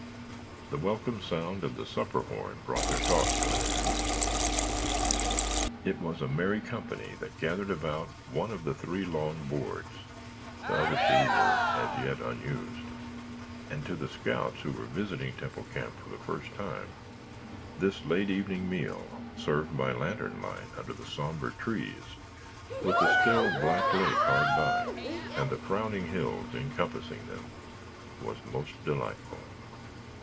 The welcome sound of the supper horn brought their talk to an end. It was a merry company that gathered about one of the three long boards (the other two were as yet unused) and to the scouts who were visiting Temple Camp for the first time this late evening meal, served by lantern light under the sombre trees with the still, black lake hard by and the frowning hills encompassing them, was most delightful.